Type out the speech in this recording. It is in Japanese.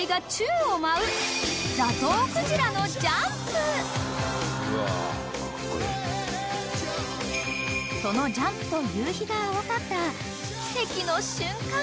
［そのジャンプと夕日が合わさった奇跡の瞬間が］